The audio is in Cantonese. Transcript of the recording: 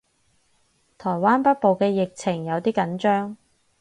台灣北部嘅疫情有啲緊張